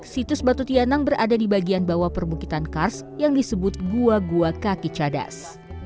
situs batu tianang berada di bagian bawah perbukitan kars yang disebut gua gua kaki cadas